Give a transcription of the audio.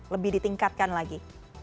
lebih ditingkatkan lagi